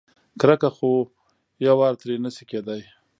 کرکه خو یوار ترې نشي کېدای.